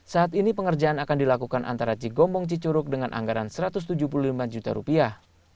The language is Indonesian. saat ini pengerjaan akan dilakukan antara cigombong cicuruk dengan anggaran satu ratus tujuh puluh lima juta rupiah